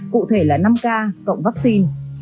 cụ thể là năm k cộng vaccine